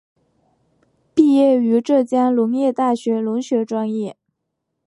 毕业于浙江农业大学农学专业。